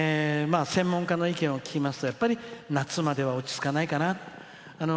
専門家の意見を聞きますと夏までは落ち着かないかな。